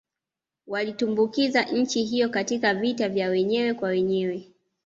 Waliitumbukiza nchi hiyo katika vita vya wenyewe kwa wenyewe